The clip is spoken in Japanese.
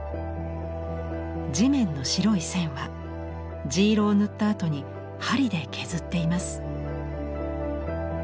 地面の白い線は地色を塗ったあとに針で削っています。